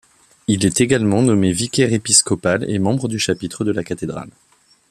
Il est également nommé vicaire épiscopal et membre du chapitre de la cathédrale.